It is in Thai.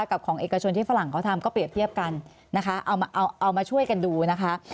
กับของเอกชนที่ฝรั่งเขาทำก็เรียบเทียบกันนะคะเอามาช่วยกันดูนะคะ